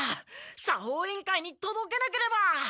作法委員会にとどけなければ！